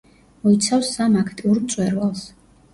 მოიცავს სამ აქტიურ მწვერვალს.